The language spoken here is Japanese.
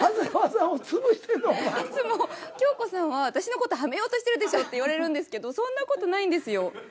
いつも京子さんは「私の事はめようとしてるでしょ」って言われるんですけどそんな事ないんですよ。